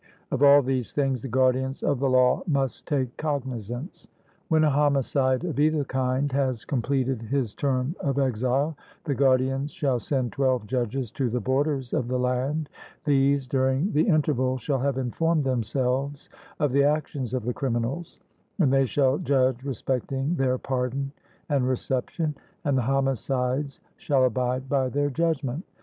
Of all these things the guardians of the law must take cognizance): When a homicide of either kind has completed his term of exile, the guardians shall send twelve judges to the borders of the land; these during the interval shall have informed themselves of the actions of the criminals, and they shall judge respecting their pardon and reception; and the homicides shall abide by their judgment.